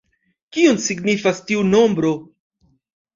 Kion signifas tiu nombro?